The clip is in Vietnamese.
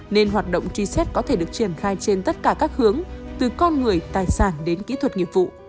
nên hoạt động truy xét có thể được triển khai trên tất cả các hướng từ con người tài sản đến kỹ thuật nghiệp vụ